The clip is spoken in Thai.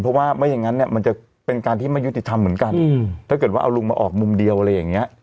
เพราะว่าไม่อย่างนั้นเนี่ยมันจะเป็นการที่ไม่ยุติธรรมเหมือนกันถ้าเกิดว่าเอาลุงมาออกมุมเดียวอะไรอย่างเงี้ย